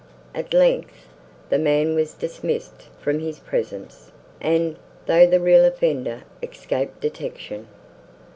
At length, the man was dismissed from his presence, and, though the real offender, escaped detection.